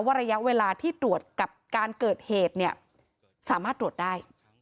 ระยะเวลาที่ตรวจกับการเกิดเหตุเนี่ยสามารถตรวจได้